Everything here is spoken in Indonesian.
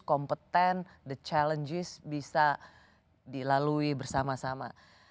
kompeten the challenges bisa dilalui bersama sama